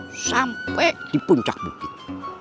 ustadz rw sampai di puncak bukit